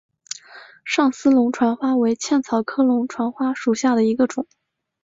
上思龙船花为茜草科龙船花属下的一个种。